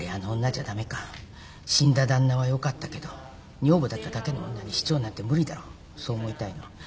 「死んだ旦那はよかったけど女房だっただけの女に市長なんて無理だろう」そう思いたいの。